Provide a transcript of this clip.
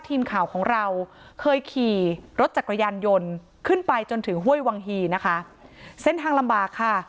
ทีมข่าวของเราเคยขี่รถจักรยานยนต์ขึ้นไปจนถึงห้วยวังฮีนะคะเส้นทางลำบากค่ะ